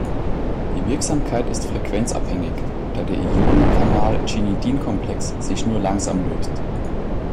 Die Wirksamkeit ist frequenzabhängig, da der Ionenkanal-Chinidin-Komplex sich nur langsam löst.